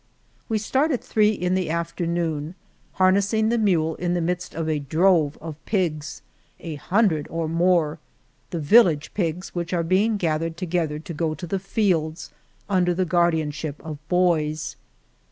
We start at three in the afternoon, har nessing the mule in the midst of a drove of pigs — a hundred or more — the village pigs, which are being gathered together to go to the fields under the guardianship of boys.